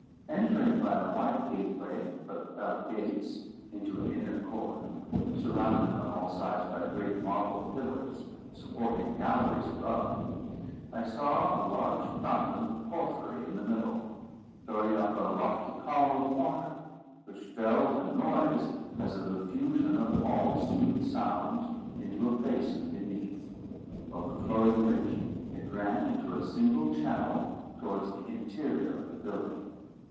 Entering by a wide gateway, but without gates, into an inner court, surrounded on all sides by great marble pillars supporting galleries above, I saw a large fountain of porphyry in the middle, throwing up a lofty column of water, which fell, with a noise as of the fusion of all sweet sounds, into a basin beneath; overflowing which, it ran into a single channel towards the interior of the building.